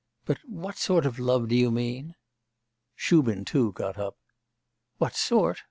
But what sort of love do you mean?' Shubin too, got up. 'What sort?